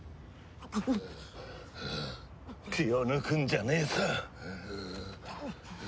気を抜くんじゃねえぞ。